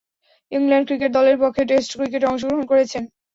England cricket দলের পক্ষে test ক্রিকেটে অংশগ্রহণ করেছেন।